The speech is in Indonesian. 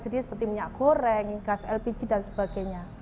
jadi seperti minyak goreng gas lpg dan sebagainya